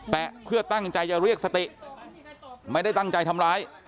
เพื่อตั้งใจจะเรียกสติไม่ได้ตั้งใจทำร้าย